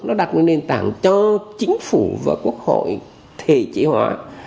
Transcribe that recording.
nó đặt nền tảng cho chính phủ và quốc hội thể trị hóa